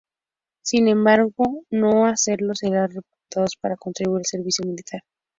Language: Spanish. Sin embargo de no hacerlo serán reclutados para cumplir el servicio militar.